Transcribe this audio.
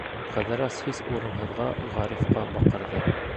Ҡыҙырас һис урынһыҙға Ғарифҡа баҡырҙы: